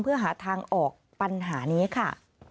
เพื่อหาทางออกปัญหานี้ค่ะ